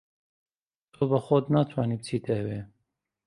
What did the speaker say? تۆ بە خۆت ناتوانیت بچیتە ئەوێ.